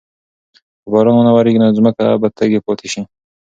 که باران ونه وریږي نو ځمکه به تږې پاتې شي.